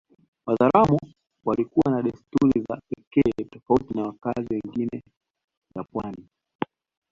Wazaramo walikuwa na desturi za pekee tofauti na wakazi wengine ya pwani